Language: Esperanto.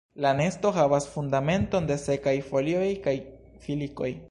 La nesto havas fundamenton de sekaj folioj kaj filikoj.